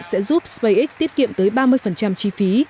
sẽ giúp spacex tiết kiệm tới ba mươi chi phí